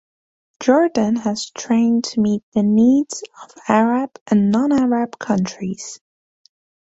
Jordan has trained to meet the needs of Arab and non-Arab countries.